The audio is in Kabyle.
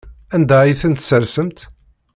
Anda ay ten-tessersemt?